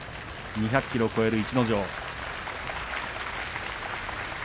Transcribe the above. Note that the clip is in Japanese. ２００ｋｇを超える逸ノ城。